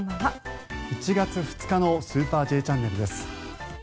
１月２日の「スーパーＪチャンネル」です。